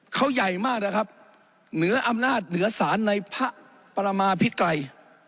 เขาใหญ่มากนะครับเหนืออำนาจเหนือสารในพระประมาพิไกร